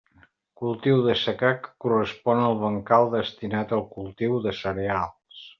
Cultiu de secà, que correspon al bancal destinat al cultiu de cereals.